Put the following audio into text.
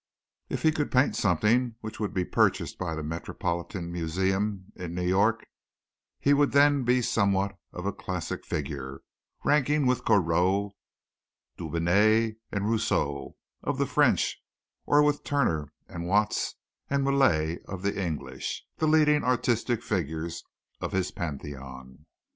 If he could paint something which would be purchased by the Metropolitan Museum in New York he would then be somewhat of a classic figure, ranking with Corot and Daubigny and Rousseau of the French or with Turner and Watts and Millais of the English, the leading artistic figures of his pantheon.